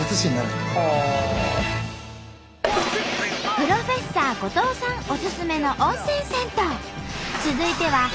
風呂フェッサー後藤さんおすすめの温泉銭湯。